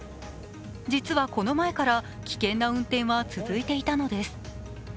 実はこの前から危険な運転は続いていたのです。